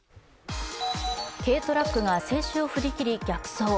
軽トラックが制止を振り切り逆そう。